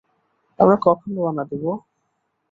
আমরা কখন রওনা দিবো?